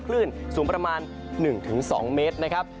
คลื่นสูงประมาณ๑ถึง๒เมตร